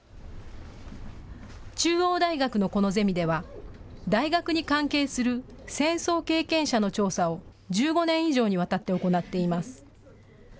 中央大学のこのゼミでは大学に関係する戦争経験者の調査を１５年以上にわたって行っています。